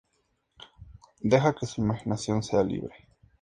Deja que su imaginación sea libre.